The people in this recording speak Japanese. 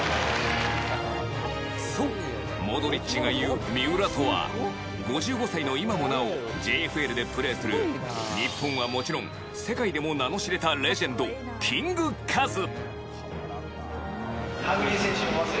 そうモドリッチが言う「ミウラ」とは５５歳の今もなおＪＦＬでプレーする日本はもちろん世界でも名の知れたレジェンドキングカズ。